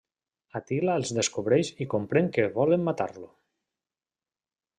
Àtila els descobreix i comprèn que volen matar-lo.